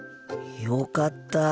よかった。